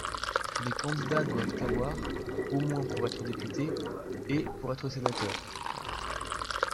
Les candidats doivent avoir au moins pour être député, et pour être sénateur.